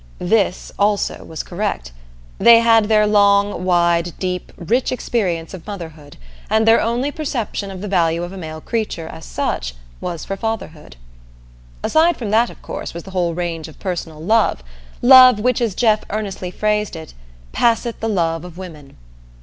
_" This also was correct. They had their long, wide, deep, rich experience of Motherhood, and their only perception of the value of a male creature as such was for Fatherhood. Aside from that, of course, was the whole range of personal love, love which as Jeff earnestly phrased it "passeth the love of women!"